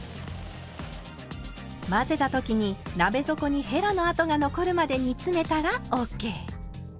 混ぜた時に鍋底にへらの跡が残るまで煮詰めたらＯＫ。